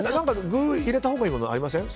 具を入れたほうがいいものってありません？